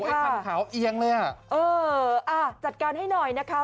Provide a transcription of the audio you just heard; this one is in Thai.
ไอคันขาวเอียงเลยอ่ะเอออ่ะจัดการให้หน่อยนะคะ